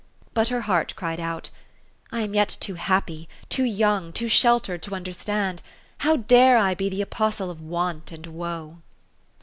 But her heart cried out, " I am yet too happy, too young, too sheltered, to understand. How dare I be the apostle of want and woe